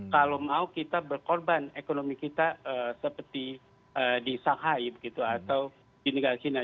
kalau mau kita berkorban ekonomi kita seperti di shanghai begitu atau di negara china